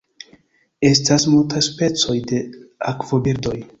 Estas multaj specoj de akvobirdoj.